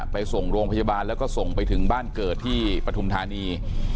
ไปส่งโรงพยาบาลแล้วก็ส่งไปถึงบ้านเกิดที่ปฐุมธานี